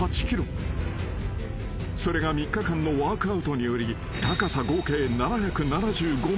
［それが３日間のワークアウトにより高さ合計７７５ｍ］